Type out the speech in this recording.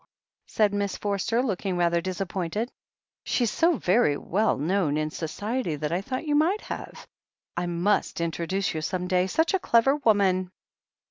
said Miss Forster, looking rather dis appointed. "She's so very well known in Society that I thought you might have. I must introduce you some day. Such a clever woman